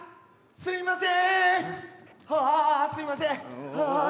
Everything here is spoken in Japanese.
すいません。